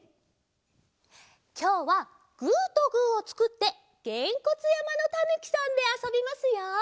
きょうはグーとグーをつくって「げんこつやまのたぬきさん」であそびますよ！